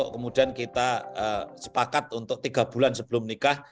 kemudian kita sepakat untuk tiga bulan sebelum nikah